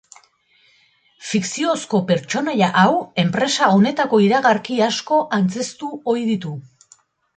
Fikziozko pertsonaia hau enpresa honetako iragarki asko antzeztu ohi ditu.